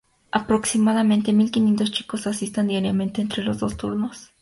Aproximadamente, mil quinientos chicos asistan diariamente entre los dos turnos.